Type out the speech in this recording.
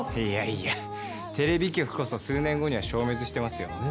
いやいやテレビ局こそ数年後には消滅してますよ。